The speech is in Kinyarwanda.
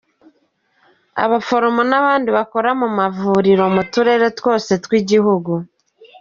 abaforomo n’abandi bakora mu mavuriro mu turere twose tw’igihugu.